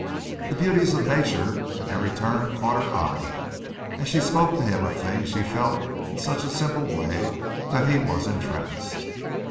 The beauties of nature at every turn caught her eye, and she spoke to him of things she felt in such a simple way that he was entranced.